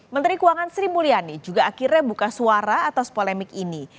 menteri keuangan sri mulyani juga akhirnya buka suara atas polemik ini